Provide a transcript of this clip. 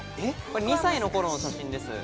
２歳の頃の写真です。